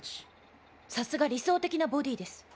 さすが理想的なボディーです。